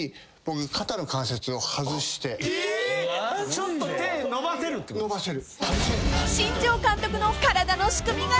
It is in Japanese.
ちょっと手伸ばせる？伸ばせる。